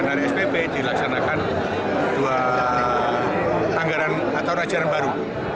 kemudian dari spp dilaksanakan dua anggaran atau racaran baru dua ribu tujuh belas dua ribu delapan belas